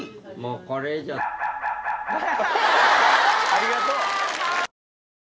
ありがとう！